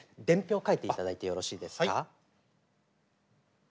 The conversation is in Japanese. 伝票書いていただいてよろしいですか？